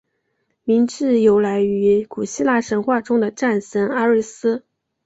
名字由来于古希腊神话中的战神阿瑞斯。